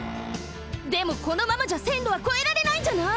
でもこのままじゃせんろはこえられないんじゃない？